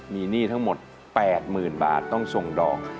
มีหนี้ทั้งหมด๘๐๐๐บาทต้องส่งดอก